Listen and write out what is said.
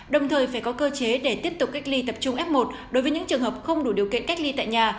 đồng thời phải có cơ chế để tiếp tục cách ly tập trung f một đối với những trường hợp không đủ điều kiện cách ly tại nhà